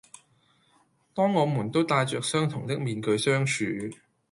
當我們都帶着相同的面具相處